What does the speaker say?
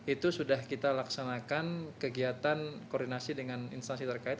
itu sudah kita laksanakan kegiatan koordinasi dengan instansi terkait